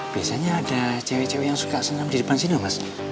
biasanya ada cewek cewek yang suka senam di depan sini mas